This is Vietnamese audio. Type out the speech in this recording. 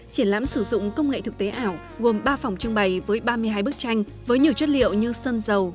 triển lãm sử dụng công nghệ thực tế ảo gồm ba phòng trưng bày với ba mươi hai bức tranh với nhiều chất liệu như sơn dầu